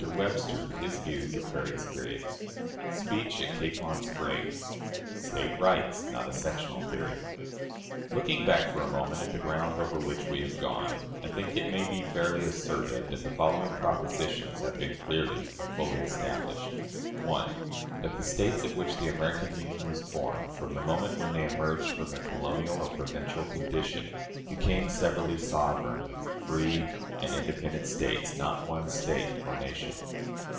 Webster: his Views at Various Periods. Speech at Capon Springs. State Rights not a Sectional Theory. Looking back for a moment at the ground over which we have gone, I think it may be fairly asserted that the following propositions have been clearly and fully established: 1. That the States of which the American Union was formed, from the moment when they emerged from their colonial or provincial condition, became severally sovereign, free, and independent States not one State, or nation.